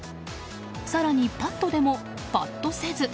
更に、パットでもパッとせず。